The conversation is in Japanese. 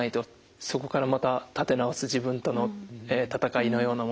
そこからまた立て直す自分との闘いのようなものがありましたね。